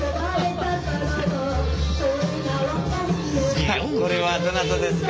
さあこれはどなたですか？